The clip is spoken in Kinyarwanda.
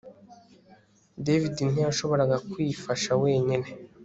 David ntiyashoboraga kwifasha wenyine